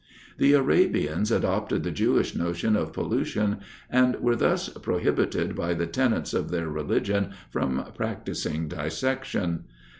The Arabians adopted the Jewish notion of pollution, and were thus prohibited by the tenets of their religion from practising dissection.